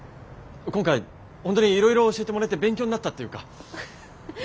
今回本当にいろいろ教えてもらえて勉強になったっていうか。